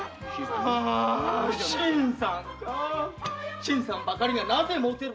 新さんばかりなぜもてる。